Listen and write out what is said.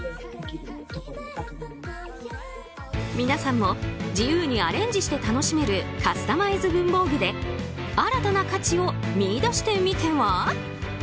皆さんも自由にアレンジして楽しめるカスタマイズ文房具で新たな価値を見いだしてみては？